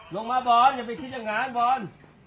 ลงมาบอลอย่าไปขึ้นอย่างงานบอล